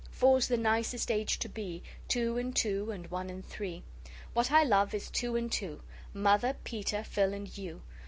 Four's the nicest age to be, Two and two and one and three. What I love is two and two, Mother, Peter, Phil, and you.